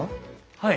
はい。